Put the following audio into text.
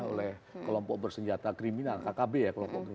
oleh kelompok bersenjata kriminal kkb ya